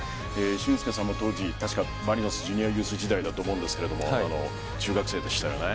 俊輔さんも当時、マリノスジュニアユース時代だと思うんですけど中学生でしたよね。